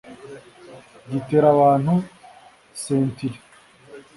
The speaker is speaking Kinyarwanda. Gitera abantu sentiri